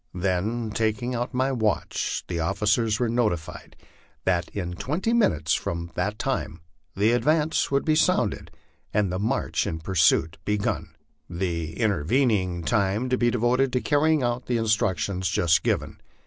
Then taking out my watch, the officers were notified that in twenty minutes from that time " the advance " would be sounded and the march in pursuit begun LIFE OX THE PLAINS. 153 the intervening time to be devoted to carrying out the instructions just given.